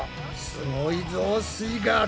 すごいぞすイガール！